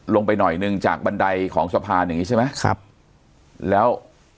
ลงไปหน่อยหนึ่งจากบันไดของสะพานอย่างงี้ใช่ไหมครับแล้ว